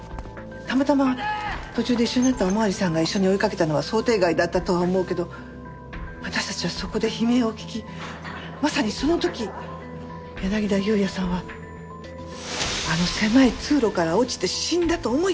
たまたま途中で一緒になったおまわりさんが一緒に追いかけたのは想定外だったとは思うけど私たちはそこで悲鳴を聞きまさにその時柳田裕也さんはあの狭い通路から落ちて死んだと思い込んだ。